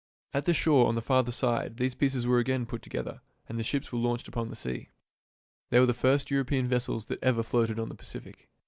At the shore on the farther side these pieces were again put together, and the ships were launched upon the sea. They were the first European vessels that ever floated on the Pacific.